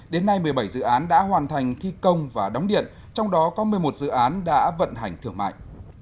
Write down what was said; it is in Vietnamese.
đến nay một mươi bảy dự án đã hoàn thành thi công và đóng điện trong đó có một mươi một dự án đã vận hành thưởng mại